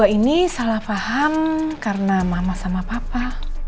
ini salah paham karena mama sama papa